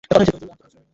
আমি তোকে মিস করব।